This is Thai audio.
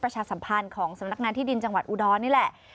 จังหวัดอุดรนี่แหละ